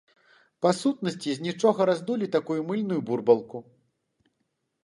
Па сутнасці з нічога раздулі такую мыльную бурбалку!